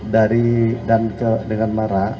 dari dan dengan merak